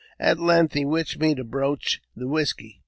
^ At length he wished me to broach the whisky.